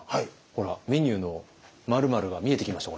ほらメニューの「〇〇」が見えてきました？